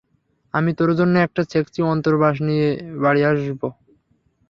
আমি তোর জন্য একটা সেক্সি অন্তর্বাস নিয়ে বাড়ি আসব।